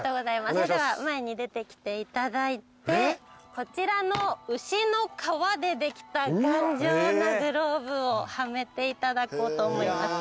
それでは前に出てきていただいてこちらの牛の革でできた頑丈なグローブをはめていただこうと思います。